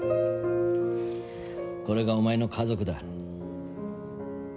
これがお前の家族だ。